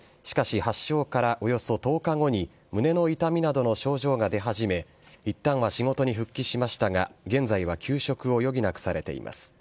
しかし、発症からおよそ１０日後に、胸の痛みなどの症状が出始め、いったんは仕事に復帰しましたが、現在は休職を余儀なくされています。